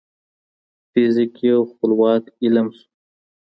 فزيک يو خپلواک علم سو.